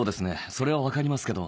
それは分かりますけど。